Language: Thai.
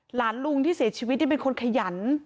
หลานลุงที่เสียชีวิตเป็นคนขยัน